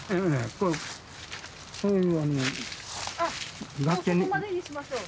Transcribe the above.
あっもうここまでにしましょう。